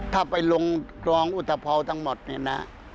ถ้าไปลงคลองอุตภัวร์ทั้งหมดนี่นะ